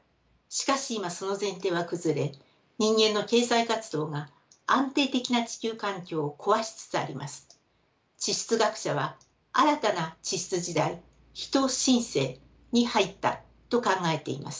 しかし今その前提は崩れ人間の経済活動が安定的な地球環境を壊しつつあります。地質学者は新たな地質時代人新世に入ったと考えています。